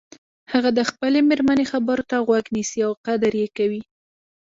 هغه د خپلې مېرمنې خبرو ته غوږ نیسي او قدر یی کوي